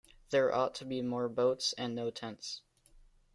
There ought to be more boats and no tents.